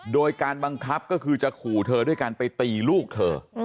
โดยการบังคับก็คือจะขู่เธอด้วยการไปตีลูกเธอ